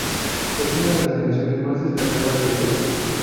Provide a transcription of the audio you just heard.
Es una de las canciones más destacadas del grupo.